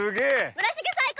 村重最高！